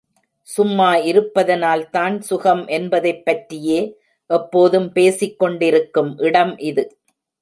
சும்மா இருப்பதனால்தான் சுகம் என்பதைப் பற்றியே எப்போதும் பேசிக் கொண்டிருக்கும் இடம் இது!